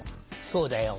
そうだよ。